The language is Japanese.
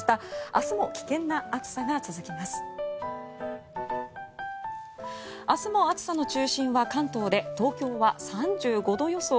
明日も暑さの中心は関東で東京は３５度予想。